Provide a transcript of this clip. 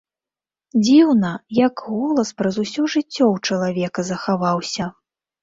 Дзіўна, як голас праз усё жыццё ў чалавека захаваўся.